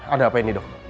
ada apa ini dok